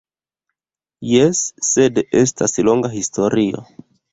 Jes, sed estas longa historio